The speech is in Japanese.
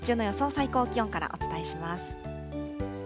最高気温からお伝えします。